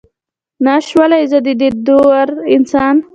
ناش ولئ، زه ددې دور انسان.